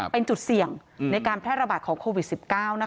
เป็นจุดเสี่ยงในการแพร่ระบาดของโควิด๑๙